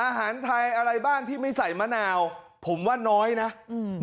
อาหารไทยอะไรบ้างที่ไม่ใส่มะนาวผมว่าน้อยนะอืม